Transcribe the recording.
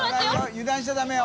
油断しちゃダメよ。